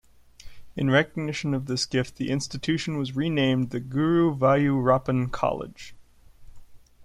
In recognition of this gift, the institution was renamed "The Guruvayurappan College".